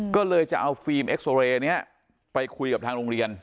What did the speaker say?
ก็เลยจะเอาฟิล์มเอ็กซอเรย์นี้ไปคุยกับทางโรงเรียน